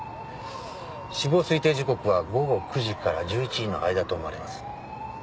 死亡推定時刻は午後９時から１１時の間と思われます。